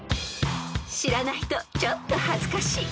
［知らないとちょっと恥ずかしい］